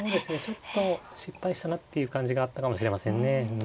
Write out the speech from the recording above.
ちょっと失敗したなっていう感じがあったかもしれませんね。